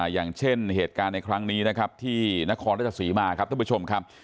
อย่างเช่นเหตุการณ์ในครั้งนี้นะครับที่นครราชสีมาครับท่านผู้ชมครับ